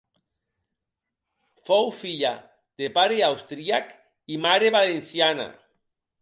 Fou filla de pare austríac i mare valenciana.